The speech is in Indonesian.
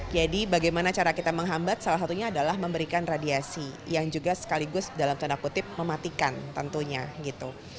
jadi bagaimana cara kita menghambat salah satunya adalah memberikan radiasi yang juga sekaligus dalam tanda kutip mematikan tentunya gitu